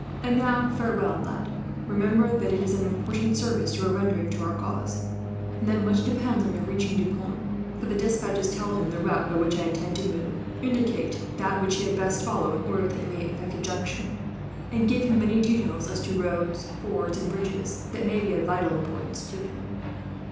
"And now farewell, lad. Remember that it is an important service you are rendering to our cause, and that much depends on your reaching Deux Ponts; for the despatches tell him the route by which I intend to move, indicate that which he had best follow in order that he may effect a junction, and give him many details as to roads, fords, and bridges, that may be of vital importance to him."